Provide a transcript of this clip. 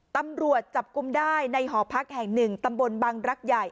ตำรวจจับกลุ่มได้ในหอพักแห่ง๑ตำบลบังรักใหญ่